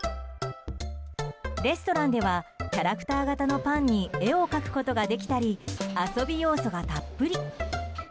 レストランではキャラクター型のパンに絵を描くことができたり遊び要素がたっぷり。